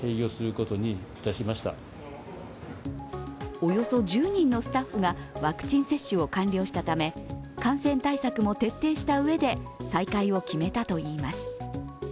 およそ１０人のスタッフがワクチン接種を完了したため感染対策も徹底したうえで再開を決めたといいます。